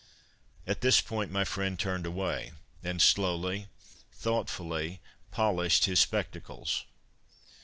At this point my friend turned away, and slowly, thoughtfully, polished his spectacles.